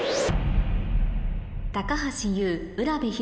高橋ユウ卜部弘